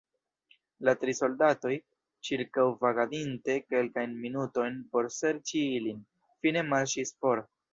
La tri soldatoj, ĉirkaŭvagadinte kelkajn minutojn por serĉi ilin, fine marŝis for.